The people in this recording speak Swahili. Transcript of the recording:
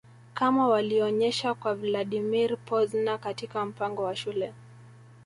kama walionyesha kwa Vladimir Pozner katika mpango wa Shule